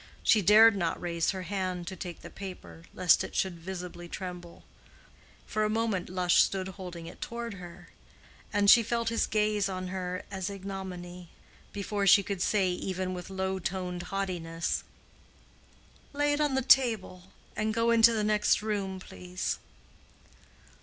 She dared not raise her hand to take the paper, least it should visibly tremble. For a moment Lush stood holding it toward her, and she felt his gaze on her as ignominy, before she could say even with low toned haughtiness, "Lay it on the table. And go into the next room, please."